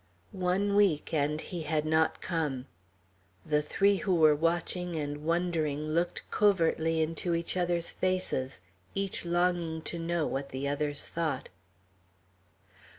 One week, and he had not come. The three who were watching and wondering looked covertly into each other's faces, each longing to know what the others thought.